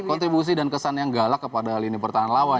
kontribusi dan kesan yang galak kepada lini pertahanan lawan